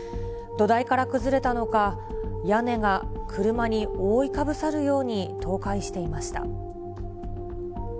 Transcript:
土台から崩れたのか、屋根が車に覆いかぶさるように倒壊していました。